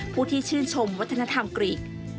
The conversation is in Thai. ผู้ที่ชื่นชมวัฒนธรรมกรีก